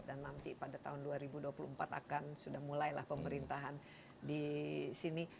dan nanti pada tahun dua ribu dua puluh empat akan sudah mulailah pemerintahan di sini